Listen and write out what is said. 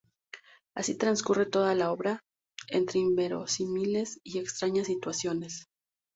Así transcurre toda la obra, entre inverosímiles y extrañas situaciones.